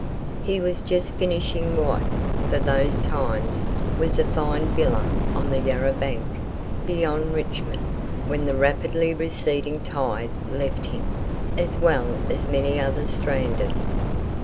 He was just finishing what, for those times, was a fine villa on the Yarra bank, beyond Richmond, when the rapidly receding tide left him, as well as many others, stranded.